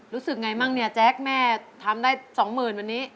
รู้สึกไงบ้างเนี่ยแจ๊คแม่ทำได้สองหมื่นวันนี้